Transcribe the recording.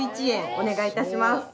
お願いいたします。